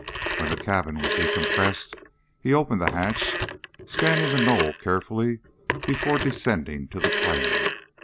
When the cabin was decompressed, he opened the hatch, scanning the knoll carefully before descending to the plain.